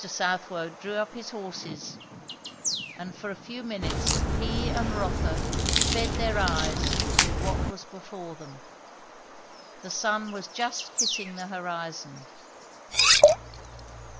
Southwode drew up his horses; and for a few minutes he and Rotha fed their eyes with what was before them. The sun was just kissing the horizon.